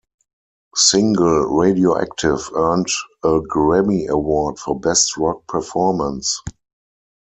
Single "Radioactive" earned a Grammy Award for Best Rock Performance.